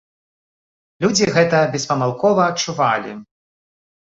Людзі гэта беспамылкова адчувалі.